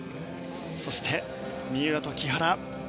そして三浦と木原。